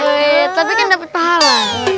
duit tapi kan dapat pahala